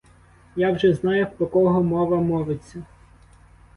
Я вже знаю, про кого мова мовиться.